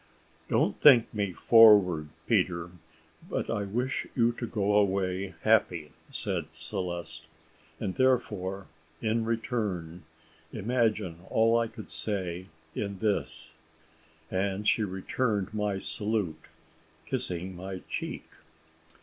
"Don't think me forward, Peter, but I wish you to go away happy," said Celeste; "and therefore, in return, imagine all I could say in this " and she returned my salute, kissing my cheek.